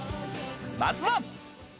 まずは。